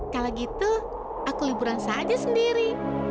kalau gitu aku liburan saja sendiri